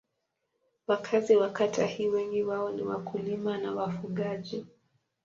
Wakazi wa kata hii wengi wao ni wakulima na wafugaji.